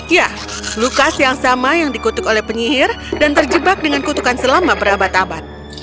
ya lukas yang sama yang dikutuk oleh penyihir dan terjebak dengan kutukan selama berabad abad